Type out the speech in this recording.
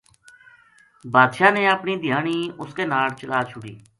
بادشاہ نے اپنی دھیانی اس کے ناڑ چلا چھوڈی